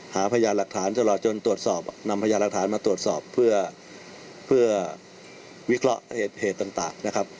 หาพยานหลักฐานตลอดจนตรวจสอบนำพยานหลักฐานมาตรวจสอบเพื่อวิเคราะห์เหตุต่างนะครับ